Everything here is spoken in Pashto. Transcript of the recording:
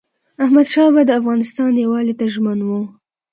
احمدشاه بابا د افغانستان یووالي ته ژمن و.